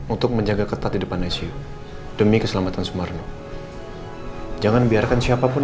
untuk menjaga ketat di depan icu demi keselamatan sumarno jangan biarkan siapapun